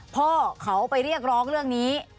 พ่อเขาไปเรียกร้องเรื่องนี้